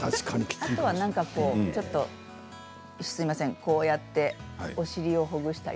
あとはこうやってお尻をほぐしたり。